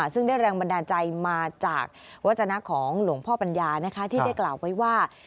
ซึ่งได้แรงบันดาลใจมาจากวัฒนะของหลวงพ่อปัญญาที่ได้กล่าวไว้ว่า